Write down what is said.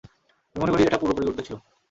আমি মনে করি এটা পূর্বপরিকল্পিত ছিলো।